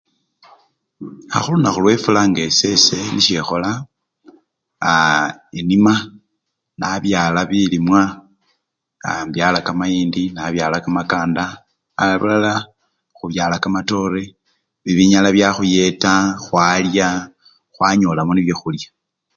A! khulunakhu lwefula nga esese nisye ekholanga, aa! inima nabyala bilimwa, aa imbyala kamayindi nabyala kamakanda abulala khubyala kamatore bibinyala byakhuyeta khwalya! khwanyolamo nibyo khulya.